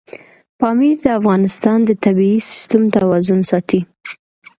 پامیر د افغانستان د طبعي سیسټم توازن ساتي.